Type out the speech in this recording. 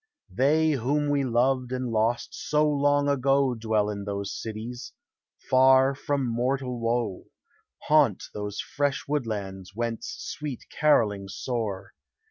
They whom we loved and lost so long ago Dwell in those cities, far from mortal woe — Haunt those fresh woodlands, whence sweet carollings soar.